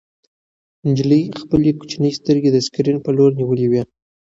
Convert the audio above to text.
نجلۍ خپلې کوچنۍ سترګې د سکرین په لور نیولې وې.